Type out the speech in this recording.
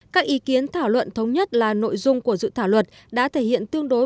các ý kiến thảo luận thống nhất là nội dung của dự thảo luật đã thể hiện tương đối